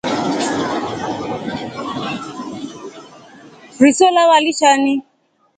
Riso lava lishani.